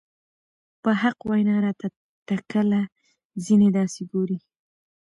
په حق وېنا راته تکله ځينې داسې ګوري